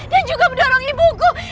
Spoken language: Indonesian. dan juga mendorong ibuku